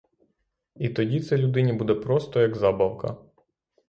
І тоді це людині буде просто, як забавка.